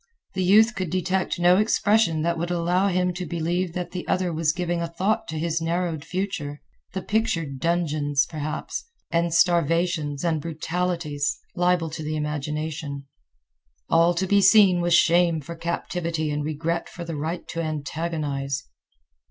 The youth could detect no expression that would allow him to believe that the other was giving a thought to his narrowed future, the pictured dungeons, perhaps, and starvations and brutalities, liable to the imagination. All to be seen was shame for captivity and regret for the right to antagonize.